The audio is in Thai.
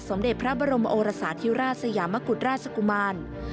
เด็จพระบรมโอรสาธิราชสยามกุฎราชกุมาร